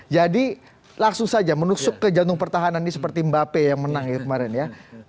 jadi langsung saja menusuk ke jantung pertahanan ini seperti mbak pe yang menang kemarin ya